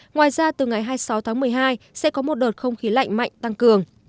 ngoài ra từ ngày hai mươi sáu tháng một mươi hai sẽ có một đợt không khí lạnh mạnh tăng cường